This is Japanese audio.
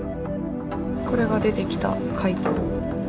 これが出てきた回答。